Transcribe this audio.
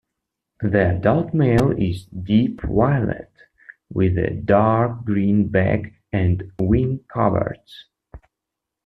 The adult male is deep violet, with a dark green back and wing coverts.